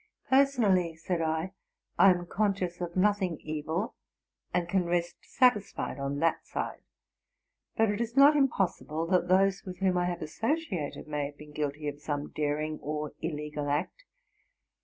'+ Per sonally,'' said I, ''I am conscious of nothing evil, and can rest satisfied on that side; but it is not impossible that those with whom I have associated may have been euilty of some daring or illegal act.